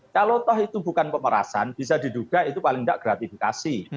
kalau toh itu bukan pemerasan bisa diduga itu paling tidak gratifikasi